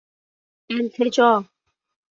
اِلتِجا